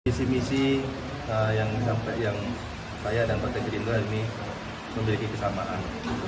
bisi bisi yang sampai yang saya dan pak tegri rindu almi memiliki kesamaan